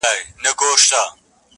بې اختیاره وړي په پښو کي بېړۍ ورو ورو!!